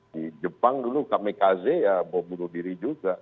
di jepang dulu kamikaze ya bom bunuh diri juga